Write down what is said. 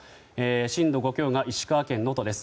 震度５強が石川県能登です。